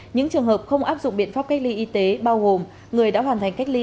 những trường hợp không áp dụng biện pháp cách ly y tế bao gồm người đã hoàn thành cách ly